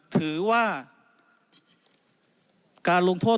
ถือว่าการลงโทษ